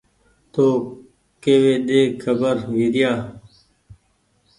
تو ڪيوي ۮي کبر ويريآ